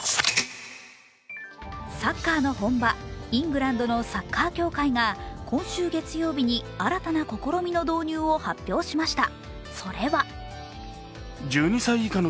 サッカーの本場、イングランドのサッカー協会が今週月曜日に新たな試みの導入を発表しました。